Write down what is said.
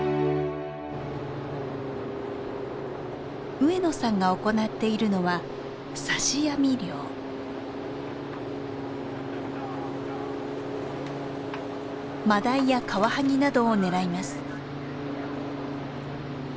上野さんが行っているのはマダイやカワハギなどを狙います。